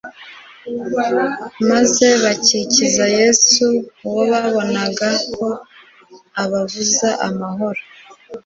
maze bakikiza Yesu uwo babonaga ko ababuza amahoro.